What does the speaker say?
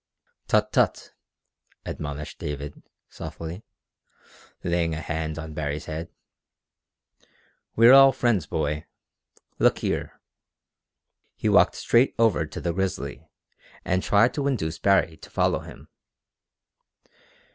"Tut, tut," admonished David, softly, laying a hand on Baree's head. "We're all friends, boy. Look here!" He walked straight over to the grizzly and tried to induce Baree to follow him.